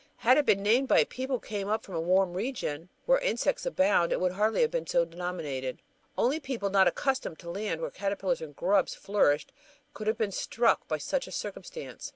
Had it been named by people who came up from a warm region where insects abound, it would hardly have been so denominated. Only people not accustomed to land where caterpillars and grubs flourished would have been struck by such a circumstance.